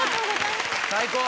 最高！